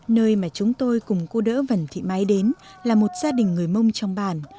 nơi mà chúng tôi cùng cô đỡ vẩn thị mai đến là một gia đình người mông trong bàn